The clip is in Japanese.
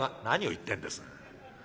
「何を言ってんです。